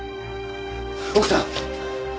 奥さん！